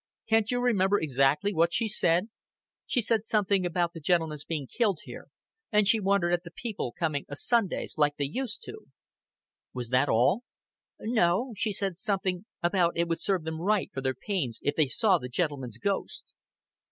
Can't you remember exactly what she did say?" "She said something about the gentleman's being killed here, and she wondered at the people coming a Sundays like they used to." "Was that all?" "No, she said something about it would serve them right for their pains if they saw the gentleman's ghost."